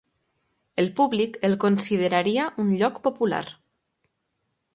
El públic el consideraria un lloc popular.